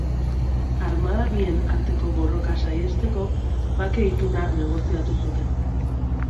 Armada bien arteko borroka saihesteko, bake ituna negoziatu zuten.